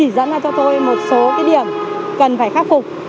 hôm nay thì các anh ấy đã chỉ dẫn ra cho tôi một số cái điểm cần phải khắc phục